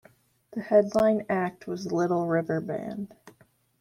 The headline act was Little River Band.